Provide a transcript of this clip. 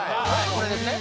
これですね。